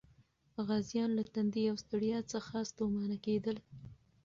غازیان له تندې او ستړیا څخه ستومانه کېدل.